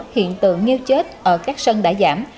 hiện tượng nghêu chết ở các sân đã giảm